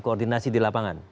koordinasi di lapangan